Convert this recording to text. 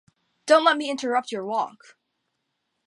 Don't let me interrupt your walk!